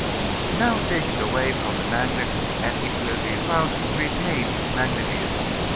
Now take it away from the magnet and it will be found to retain its magnetism.